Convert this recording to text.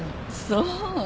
そう。